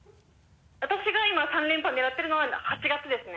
私が今３連覇狙ってるのは８月ですね。